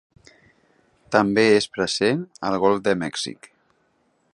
També és present al Golf de Mèxic.